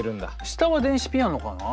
下は電子ピアノかな？